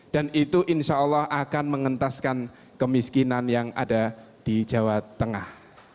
dan itu insya allah akan mengentaskan kemiskinan yang ada di jawa tengah